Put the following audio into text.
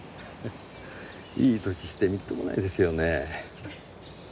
いい歳してみっともないですよね。